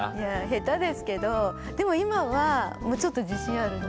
下手ですけどでも今はもうちょっと自信あるね。